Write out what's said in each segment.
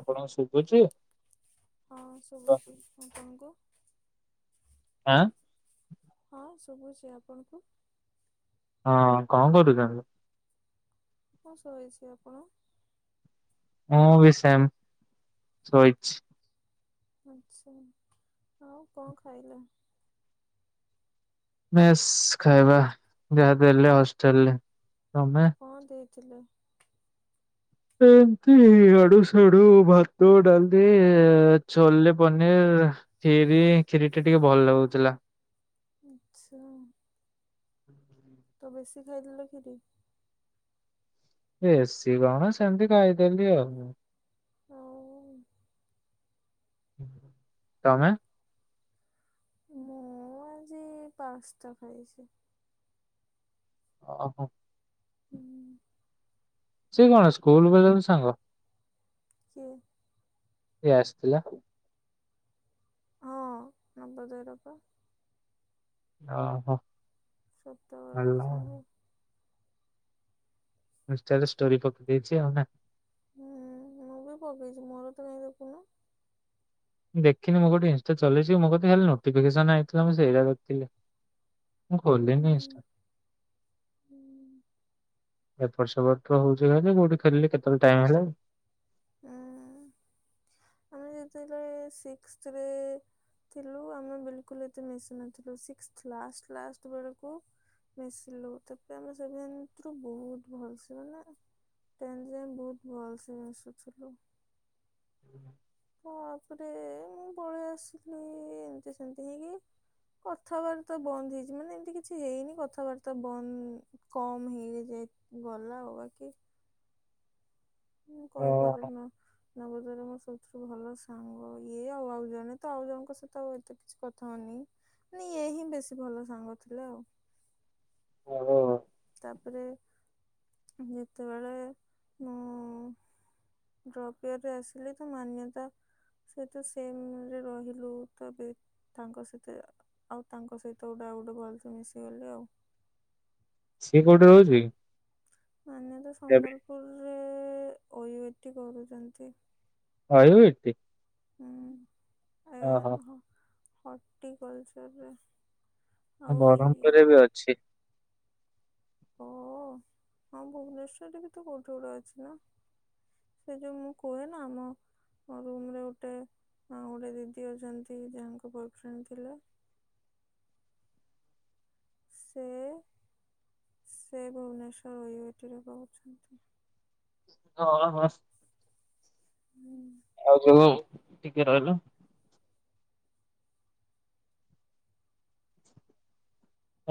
ଆପଣଙ୍କୁ ସୁବୁଚୁ? ହଁ ଶୁଭୁଛି, ଆପଣଙ୍କୁ? ଆଁ, ହଁ ଶୁଭୁଛି ମୋତେ, ଆପଣଙ୍କୁ? ହଁ କଣ କରୁଛନ୍ତି? ହଁ ଶୋଇଛି, ଆପଣ? ମୁଁ ବି ସେମ୍ ଶୋଇଛି। ଆଚ୍ଛା, ଆଉ କଣ ଖାଇଲ? ମେସ୍ ଖାଇବା ଯାହା ଦେଲେ ହଷ୍ଟେଲ୍ ରେ। ତ କଣ ଦେଇଥିଲେ? ଏ ଏମତି ଇଆଡୁସାଡୁ ଭାତ ଡାଲି ଏ ଛୋଲେ ପନିର୍। ଖିରି ଖିରିଟେ ଟିକେ ଭଲ ଲାଗୁଥିଲା। ଆଚ୍ଛା। [inaudible] ତ ବେଶୀ ଖାଇଦେଲ ଖିରି? ବେଶୀ କଣ ସେମିତି ଖାଇଦେଲି ଆଉ। ଆଉ [inaudible] ତୋମେ? ମୁଁ ଆଜି ପାସ୍ତା ଖାଇଛି। ଓହୋ। ହଁ। ସେ କଣ ସ୍କୁଲ୍ ବେଳର ସାଙ୍ଗ? କିଏ? କିଏ ଆସିଥିଲା? ଓ ନବଦୟୋର ପା। ଓ ହୋ। ଛୋଟବେଳର ସାଙ୍ଗ। ଇନଷ୍ଟା ରେ ଷ୍ଟୋରି ପକେଇଛି ଆଉ ନା। ହୁଁ ମୁଁ ବି ପକେଇଛି, ମୋର ତ କାଇଁ ଦେଖୁନ? ଦେଖିନି ମୁଁ ଗୋଟେ ଇନଷ୍ଟା ଚଲେଇଛି, ମୋ କତିକି ଖାଲି ନୋଟିଫିକେସନ ଆଇଥିଲା ମୁଁ ସେଇଟା ଦେଖୁଥିଲି। ମୁଁ ଉଁ ଖୋଲିନି ହୁଁ ଇନଷ୍ଟ ଏପଟ୍ ସେପଟ ତ ହଉଛି ଖାଲି କୋଉଠି ଥେଲି କେତେବେଳେ ଟାଇମ୍ ହେଲା କି? ଉଁ [inaudible] ଆମେ ଯେତେବେଳେ ସିକ୍ସଥିରେ ଥିଲୁ ଆମେ ବିଲ୍ କୁଲ୍ ଏତେ ମିଶୁ ନଥିଲୁ ସିକ୍ସଥ୍ ଲାଷ୍ଟ୍ ଲାଷ୍ଟ୍ ବେଳକୁ ମିଶିଲୁ ତପରେ ଆମେ ସେଭେନ୍ଥରୁ ବହୁତ ଭଲ ସେ ମାନେ ଟେନ୍ଥ ଯାଏ ବହୁତ ଭଲସେ ମିଶୁଥିଲୁ। ତାପରେ ମୁଁ ପଳେଇ ଆସିଲି ଏମିତି ସେମିତି ହେଇକି। କଥାବାର୍ତ୍ତା ବନ୍ଦ ହେଇଛି ମାନେ ଏମିତି କିଛି ହେଇନି କଥାବାର୍ତ୍ତା ବନ କମ୍ ହେଇକି ଯେ ଗଲା ଆଉ ବାକି ମୁଁ ଓହୋ। କହିପାରୁନା ନବଦ୍ୱାର ମୋ ସବୁଠୁ ଭଲ ସାଙ୍ଗ ଇଏ ଆଉ ଆଉ ଜଣେ ତ ଆଉ ଜଣଙ୍କ ସହିତ ଆଉ ଏତେ କିଛି କଥା ହଉନି। ନାଁ ଏ ହିଁ ବେଶୀ ଭଲ ସାଙ୍ଗ ଥିଲା ଆଉ। ଓହୋ ତାପରେ ଯେତେବେଳେ ମୁଁ‌ ଡ୍ରପ୍ ଇୟରେ ଆସିଲେ ତ ମାନ୍ୟତା ସେ ତ ସେମ୍ ରେ ରହିଲୁ ତ ଏବେ ତାଙ୍କ ସହିତ ଆଉ ତାଙ୍କ ସହିତ ଗୋଟେ ଆଉ ଗୋଟେ ଭଲସେ ମିଶିଗଲି ଆଉ। ସିଏ କୋଉଠି ରହୁଛି କି? ମାନ୍ୟତା ସମ୍ୱଲପୁର ରେ ଓୟୋଇଟି କରୁଛନ୍ତି। ଆୟୋଇଟି ହୁଁ ଓ ହୋ। ହଟି କରୁଛି ଏବେ। ବରହ୍ମପୁରରେ ଏବେ ଅଛି। ଓ [inaudible] ହଁ ଭୁବନେଶ୍ଵରରେ ବି ତ କୋଉଠି ଗୋଟେ ଅଛି ନାଁ ସେଇ ଯୋଉ ମୁଁ କୁହେ ନାଁ ଆମ ମୋ ରୁମ୍ ରେ ଗୋଟେ ଅଁ ଗୋଟେ ଦିଦି ଅଛନ୍ତି ଯାହାଙ୍କ ବଏଫ୍ରେଣ୍ଡ୍ ଥିଲେ। ସେ ସେ ଭୁବନେଶ୍ୱର ଓୟୋଟିରେ ରହୁଛନ୍ତି। ହଁ ହଁ। ହୁଁ ହୁଁ। ଆଉ ଯୋଉ ଟିକେ ରହିଲ।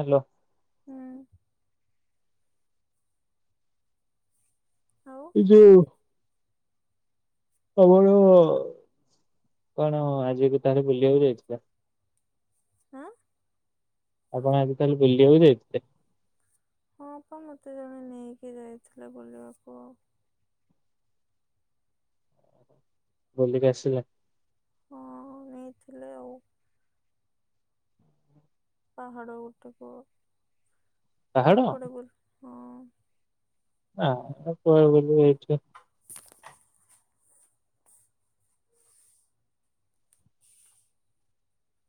ହାଲୋ। ହୁଁ। ଆଉ? ଏଇ ଯୋଉ ସବୁବେଳେ କଣ ଆଜିବି ତାହେଲେ ବୁଲିବାକୁ ଯାଇଥିଲ? ଆଁ? ଆପଣ ଆଜି ତାହେଲେ ବୁଲିବାକୁ ଯାଇଥିଲେ? ହଁ ପା ମତେ ଜଣେ ନେଇକି ଯାଇଥିଲେ ବୁଲିବାକୁ ଆଉ। ବୁଲିକି ଆସିଲେ? ହଁ ନେଇଥିଲେ ଆଉ। ପାହାଡ଼ ଉପରକୁ ପାହାଡ ତମେ କୁଆଡ଼େ ବୁ ଆଉ କହିବାକୁ ଗଲେ ପୃଥିବୀର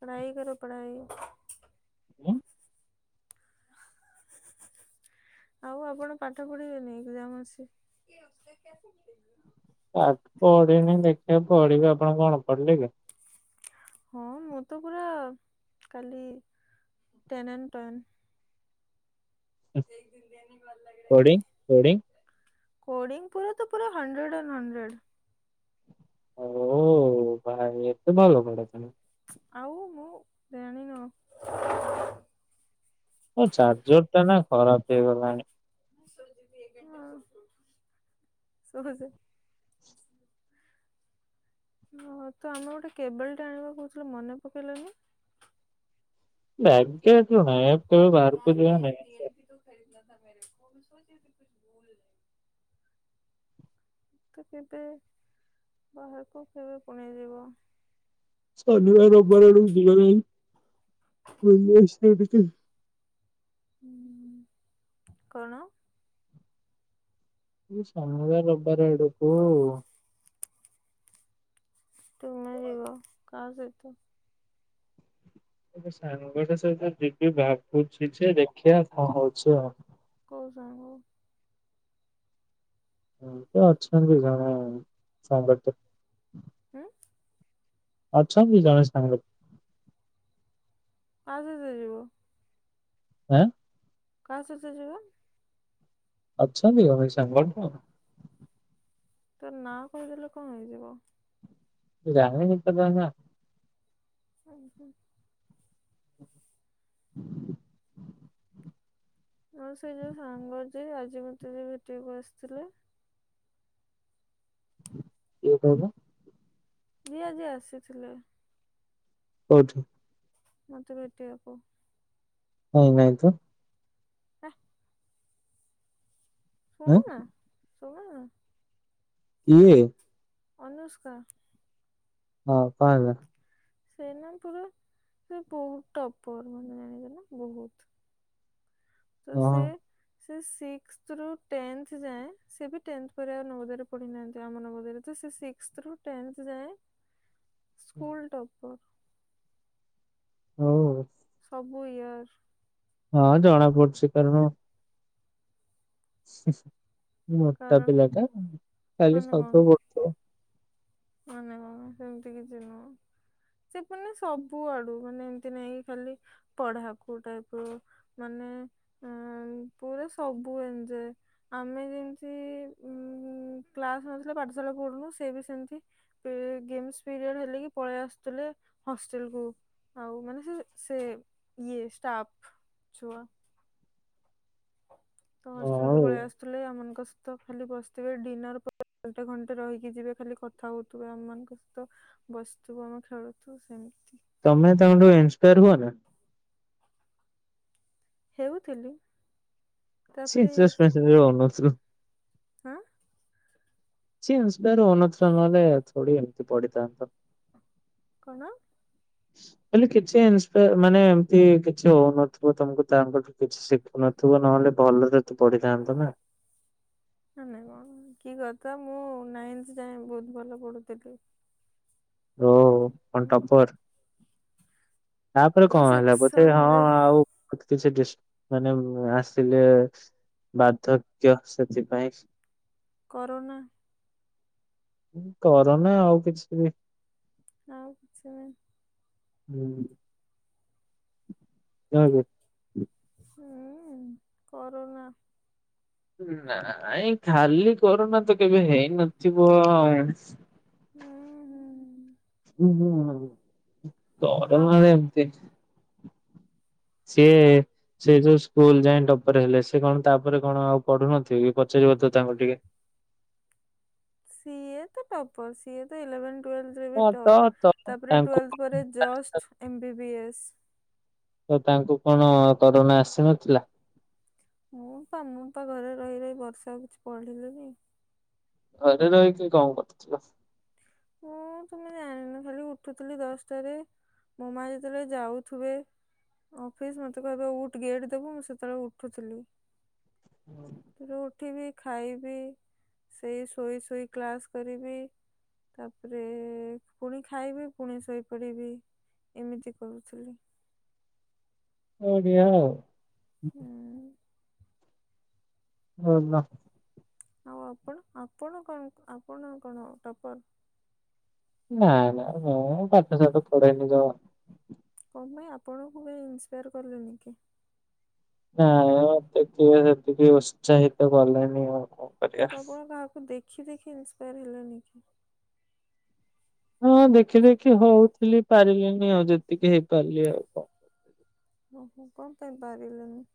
ପଢ଼ାଇ କରୋ ପଢ଼ାଇ। ଉଁ? [inaudible] ଆଉ ଆପଣ ପାଠ ପଢି଼ବେନି ଏକ୍ଜାମ୍ ଅଛି? ପାଠ ପଢିନି ଦେଖିବା ପଢିବି ଆପଣ କଣ ପଢ଼ିଲେ କି? ହଁ ମୁଁ ତ ପୁରା କାଲି ten and ten. Coding coding. [unintelligible] Coding ପୁରା ତ ପୁରା ହଣ୍ଡ୍ରେଡ଼ ଆଣ୍ଡ ହଣ୍ଡ୍ରେଡ଼। ଆଉ [unintelligible] ଆଉ ମୁଁ ଜାଣିନ। ଏ ଚାର୍ଜର ଟା ନା ଖରାପ ହେଇଗଲାଣି। ହଁ ଶୁଭୁଛି। ଓହୋ ତ ଆମେ ଗୋଟେ କେବଲ୍ ଟେ ଆଣିବାକୁ କହୁଥିଲେ ମନେ ପକେଇଲନି। ବ୍ୟାଗ୍ ଟେ ଆସିବ ନାଇ କେବେ ବାହାରକୁ ଯିବାର ନାଇଁ। ଗ୍ୟାରେଣ୍ଟି ଦଉ ଫେରେଇଥିଲା ତା ମ୍ୟାରେଜ୍ କୁ [unintelligible] ତ କେବେ ବାହାରକୁ କେବେ ପଳେଇ ଯିବ। ଶନିିବାର, ରବିବାର ଆଡ଼କୁ ଯିବ [unintelligible] ଉଁ କଣ? ଏ ଶନିବାର, ରବିବାର ଆଡ଼କୁ। ତୁମେ ଯିବ କାହା ସହିତ? ଏ ସାଙ୍ଗ ଟେ ସହିତ ଯିବି ଭାବୁଛି ଯେ ଦେଖିବା କଣ ହଉଛି ଆଉ। କଉ ସାଙ୍ଗ? ହଁ ତ ଅଛନ୍ତି ଜଣେ ସାଙ୍ଗ ଟେ। ହୁଁ। ଅଛନ୍ତି ଜଣେ ସାଙ୍ଗ। କାହା ସହିତ ଯିବ? ଆଁ। କାହା ସହିତ ଯିବ? ଅଛନ୍ତି [unintelligible] ସାଙ୍ଗ ଅଳ୍ପ। ତା ନାଁ କହିଦେଲେ କଣ ହେଇଯିବ। ଏ ରାନୀ [unintelligible] ଆ ହୁଁ। ହ ଆଉ ସେଇ ଯୋଉ ସାଙ୍ଗ ଯିଏ ଆଜି ମତେ ଯିଏ ଭେଟିବାକୁ ଆସିଥିଲେ। କିଏ କହିଲ? ଯିଏ ଆଜି ଆସିଥିଲା। କଉଠି? ମତେ ଭେଟିବାକୁ। କାଇଁ ନାଇଁ ତ। ଆ। ଶୁଣୁ ଆଁ ନା ଶୁଣୁ ନା। କିଏ? ଅନୁଷ୍କା। ହଁ କଣ ହେଲା? ସେ ନା ପୁରା ସେ ବହୁତ ଟପର୍ ମାନେ ଜାଣିଛ ନା ବହୁତ। ତ ସେ। ଓହୋ ସେ ସିକ୍ସଥ ରୁ ଟେନ୍ଥ ଯାଏଁ ସେ ବି ଟେନ୍ଥ ପରେ ଆଉ ନବଦୟୋ ରେ ପଢି ନାହାନ୍ତି ଆମ ନବଦୟୋ ରେ ତ ସେ ସି ସଥ ରୁ ଟେନ୍ଥ ଯାଏଁ। ହ ସ୍କୁଲ ଟପ୍ ହଉ। ସବୁ ଇୟର୍। ହଁ ଜଣା ପଡ଼ୁଛି। କାରଣ ମୋଟା କାରଣ ପିଲା ଟା, ଖାଲି ମାନେ କଣ ସବୁ [unintelligible] ସେମିତି କିଛି ନୁହଁ। ସେ ପୁର୍ ସବୁ ଆଡୁ ମାନେ ଏମିତି ନହିଁ ଖାଲି ପଢା କୋଉ ଟାଇପ ର ମାନେ ଅ ପୁରା ସବୁ ଏଞ୍ଜେ ଆମେ ଯେମିତି ଉ କ୍ଲାସ ନଥିଲେ ପାଠଶାଠ ପଢୁନୁ, ସେ ବି ସେମତି। ଗେମ୍ସ ପିରିୟଡ ହେଲେ କି ପଳେଇ ଆସୁଥିଲେ ହଷ୍ଟେଲ କୁ। ଆଉ ମାନେ ସେ ସେ ଇଏ ଷ୍ଟାଫ ଛୁଆ। ତ ହଁ ହଷ୍ଟେଲକୁୁ ଆଉ ପଳେଇ ଆସୁଥିଲେ। ଆମମାନଙ୍କ ତ ଖାଲି ବସିଥିବେ, ଡିନର ପରେ [unintelligible] ଘଣ୍ଟେ ରହିକି ଯିବେ ଖାଲି କଥା ହଉଥିବେ ଆମମାନଙ୍କ ସହିତ। ବସିଥିବୁ ଆମେ ଖେଳୁଥିବୁ ସେମିତି। ତମେ ତାଙ୍କଠୁ ଇନ୍ସପାୟାର ହୁଅ ନା? ହେଉଥିଲି। ତାପରେ, ଛି ହଉନଥିଲୁ ହାଁ? କିଛି ଇନ୍ସାୟାର୍ ହଉ ନଥିଲ, ନହେଲେ ଥୋଡି଼ ଏମତି ପଡିଥାନ୍ତ। କଣ? [inaudible] କହିଲି କିଛି ଇନସ୍ପେୟାର ମାନେ, ଏମିତି କିଛି ହଉନଥିବ ତମକୁ ତାଙ୍କଠୁ କିଛି ଶିଖୁନ ତୁ ନହେଲେ ଭଲରେ ତୁ ପଢିଥାନ୍ତୁ ନା। ନ ନାଇଁ ମ, କି କଥା ମୁଁ ନାଇନ୍ଥି ଯାଏ ବହୁତ ଭଲ ପଢୁଥିଲି। ଓଃ କଣ ହୁଁ, ଟପ୍ପର? ତାପରେ ଆମ କଣ ହେଲା, ବୋଧେ ହଁ ସେକ୍ସନରେ ଆଉ କିଛି ଡିସ୍ ମାନେ ଆସିଲେ ବାର୍ଦ୍ଧକ୍ୟ ସେଥିପାଇଁ। କରୋନା। କରୋନା ଆଉ କିଛି ବି? ଆଉ କିଛି ନାଇଁ ହୁଁ। [inaudible] ହୁଁ, କରୋନା। ନାଇଁ ଖାଲି କରୋନା ତ କେବେ ହେଇନଥିବ। ହୁଁ ହୁଁ। ହୁଁ, ହୁଁ ଆ କରୋନା ରେ ଏମିତି। ସିଏ ସିଏ ଯୋଉ ସ୍କୁଲ ଯାଇ ଟପ୍ପର ହେଲେ, ସେ କଣ ତାପରେ କଣ ଆଉ ପଢ଼ୁନଥିବେ କି, ପଚାରିବ ତ ତାଙ୍କୁ ଟିକେ। ସିଏ ତ ଟପ୍ପର। ସିଏ ତ ଇଲେଭେନ୍ଥ ଟୁଏଲ୍ଥରେ ବି ହଁ ତ ଟପ୍। ତ ତାପରେ ତାଙ୍କୁ ଟୁଏଲ୍ଥ ପରେ just M B B S. ତ, ତାଙ୍କୁ କଣ କରୋନା ଆସିନଥିଲା? ମୁଁ ତ, ମୁଁ ତ ଘରେ ରହି ରହି ବର୍ଷେ ଆଉ କିଛି ପଢିଲିନି। ଘରେ ରହିକି କଣ କରୁଥିଲ? ଉଁ ତମେ ଜାଣିନ, ଖାଲି ଉଠୁଥିଲି ଦଶଟାରେ। ମୋ ମା ଯେତେବେଳେ ଯାଉଥିବେ ଅଫିସ୍ ମତେ କହିବେ ଉଠ ଗେଟ୍ ଦେବୁ, ମୁଁ ସେତେବେଳେ ଉଠୁଥିଲି। ହୁଁ। ଉ ଉଠିବି ଖାଇବି, ସେଇ ଶୋଇ ଶୋଇ କ୍ଲାସ୍ କରିବି ତାପରେ ପୁଣି ଖାଇବି, ପୁଣି ଶୋଇପଡ଼ିବି ଏମିତି କରୁଥିଲି। ବଢିଆଉ! ଉଁ, ହୁନ ଆଉ ଆପଣ, ଆପଣ କଣ ଆପଣ କଣ ଟପ୍ପର? ନାଇଁ, ନା ମୁଁ ପାଠଶାଠ ପଢେଇନି ଜମା କଣ ପାଇଁ ଆପଣଙ୍କୁ ବି ଇନ୍ସପାୟାର କଲେନି କି? ନାଇଁ ମତେ କିଏ ସେତିକି ଉତ୍ସାହିତ କଲେ ନି ଆଉ କରିବା। ତ ଆପଣ କାହାକୁ ଦେଖି ଦେଖି ଇନ୍ସପାୟାର୍ ହେଲେନି କି? ହଁ ଦେଖି ଦେଖି ହଉଥିଲି ପାରିଲିନି ଆଉ ଯେତିକି ହେଇପାରିଲି, ଆଉ କଣ ଓହୋ କଣ ପାଇଁ ପାରିଲେନି?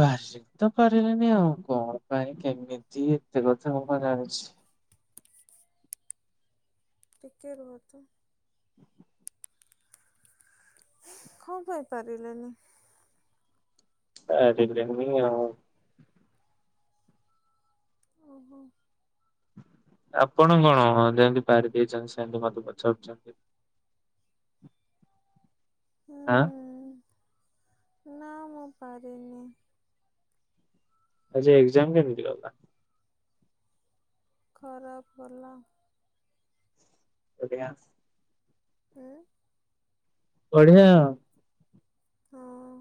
ପାରି ତ ପାରିଲାନି ଆଉ କଣ ପାଇଁ କେମିତି, ଏତେ କଥା କଣ ମୁଁ ଜାଣିଛି। ଟିକେ ରୁହତ - କଣ ପାଇଁ ପାରିଲେନି? ପାରିଲିନି ଆଉ ଓହୋ ଆପଣ କଣ ଯେମିତି ପାରି ଦେଇଛନ୍ତି, ସେମିତି ମତେ ପଚାରୁଛନ୍ତି। ଆଁ ହୁଁ! ନା ମୁଁ ପାରିନି ଆଜି ଏଗଜାମ କେମିତି ଗଲା? ଖରାପ ଗଲା [unintelligible] ଉଁ ବଢିଆ ଆଉ ହଁ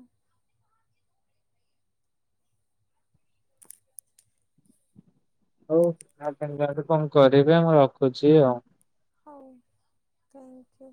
ହଉ ଯା କଣ କରିବେ ମୁଁ ରଖୁଛି ଆଉ ହଉ ଥ୍ୟାଙ୍କୟୁ।